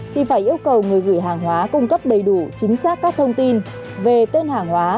thì phải yêu cầu người gửi hàng hóa cung cấp đầy đủ chính xác các thông tin về tên hàng hóa